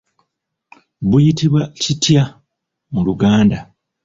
Buyitibwa kitya mu Luganda?